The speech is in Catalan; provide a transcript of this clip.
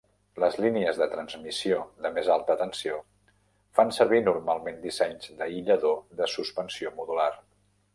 Les línies de transmissió de més alta tensió fan servir normalment dissenys d'aïllador de suspensió modular.